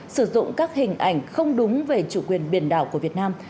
sử dụng các hình ảnh không đúng về chủ quyền biển đảo của việt nam